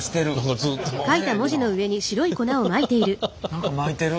何かまいてる。